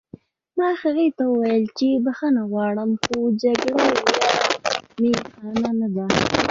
ما هغې ته وویل چې بښنه غواړم خو جګړه وړیا می خانه نه ده